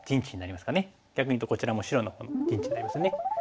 逆に言うとこちらも白の陣地になりますね。